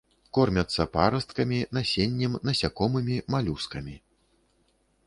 Кормяцца парасткамі, насеннем, насякомымі, малюскамі.